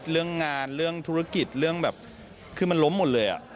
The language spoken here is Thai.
เรื่องงานเรื่องธุรกิจเรื่องแบบคือมันล้มหมดเลย